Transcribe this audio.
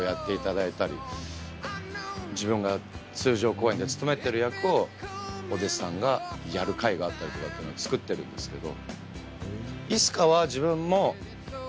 自分が通常公演で務めてる役をお弟子さんがやる回があったりとかっていうのつくってるんですけど。